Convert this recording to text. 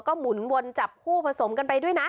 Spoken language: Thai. ก็หมุนวนจับคู่ผสมกันไปด้วยนะ